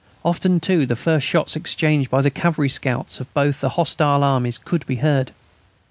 Often, too, the first shots exchanged by the cavalry scouts of both the hostile armies could be heard.